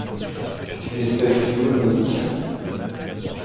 C'est une espèce monoïque.